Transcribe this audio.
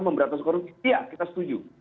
memberatkan skornya ya kita setuju